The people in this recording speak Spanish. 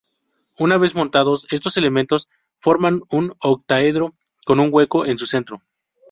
Una vez montados estos elementos forma un octaedro con un hueco en su centro.